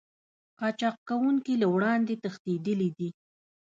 قاچاق کوونکي له وړاندې تښتېدلي دي